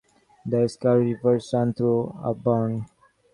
The Schuylkill River runs through Auburn.